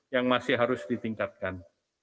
yang masih harus ditingkatkan